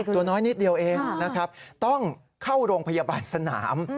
ตัวน้อยนิดเดียวเองนะครับต้องเข้าโรงพยาบาลสนาม